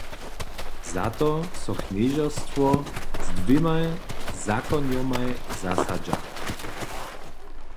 Za to so knježerstwo z dwěmaj zakonjomaj zasadźa.